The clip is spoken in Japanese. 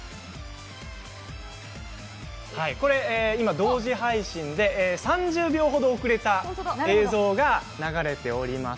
同時配信で３０秒程遅れた映像が流れております。